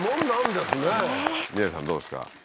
どうですか？